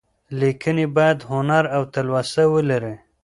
ليکنې بايد هنر او تلوسه ولري.